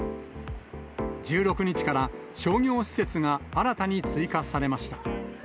１６日から商業施設が新たに追加されました。